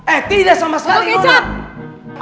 eh tidak sama sekali